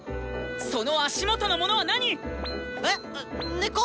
その足元のものは何⁉え⁉根っこ？